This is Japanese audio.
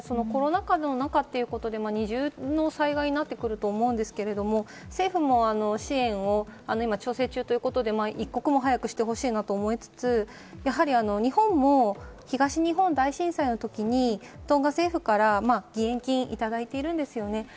コロナ禍の中で二重の災害になってくると思うんですけれども、政府も支援を今、調整中ということで一刻も早くしてほしいなと思いつつ、日本も東日本大震災の時にトンガ政府から義援金いただいているんですよね。